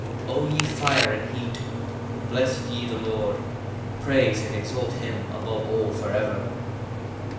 44 O ye fire and heat, bless ye the Lord: praise and exalt him above all for ever.